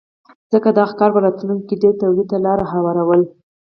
ځکه دغه کار په راتلونکې کې ډېر تولید ته لار هواروله